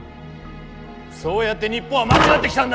そうやって日本は間違えてきたんだ！